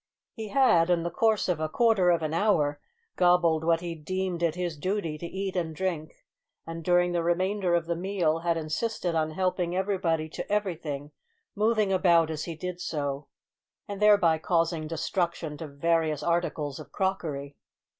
He had, in the course of a quarter of an hour, gobbled what he deemed it his duty to eat and drink, and, during the remainder of the meal, had insisted on helping everybody to everything, moving about as he did so, and thereby causing destruction to various articles of crockery.